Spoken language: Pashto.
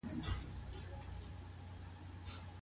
علمي تحقیق په تصادفي ډول نه ټاکل کیږي.